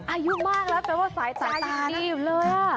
อายุมากแล้วแปลว่าสายตาอยู่นี่อยู่แล้ว